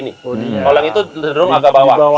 kalau yang itu sederung agak bawah